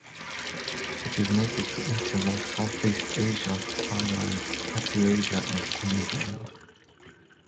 It is native to insular Southeast Asia, Thailand, Papuasia, and Queensland.